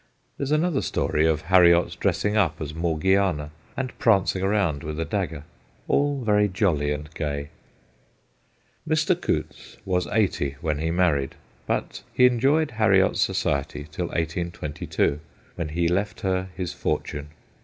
There ; s another story of Harriot's dressing up as Morgiana and prancing about with a dagger. All very jolly and gay. Mr. Coutts was eighty when he married, but he enjoyed Harriot's society till 1822, when he left her his fortune.